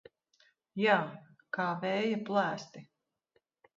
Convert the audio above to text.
Jā, kā vēja plēsti.